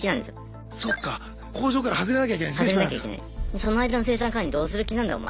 その間の生産管理どうする気なんだお前。